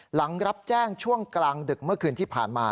หลังรับแจ้งช่วงกลางดึกเมื่อคืนที่ผ่านมา